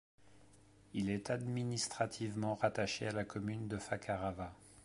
Il est administrativement rattaché à la commune de Fakarava.